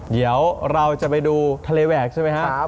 เดี๋ยวเราจะไปดูทะเลแหวกใช่ไหมครับ